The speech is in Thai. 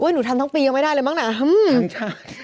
โอ้โฮหนูทำทั้งปียังไม่ได้เลยมั้งนะอื้มทั้งชาติ